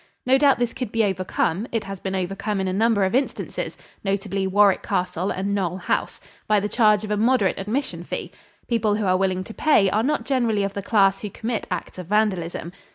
No doubt this could be overcome it has been overcome in a number of instances, notably Warwick Castle and Knole House by the charge of a moderate admission fee. People who are willing to pay are not generally of the class who commit acts of vandalism.